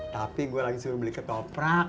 tapi gue lagi suruh beli ketoprak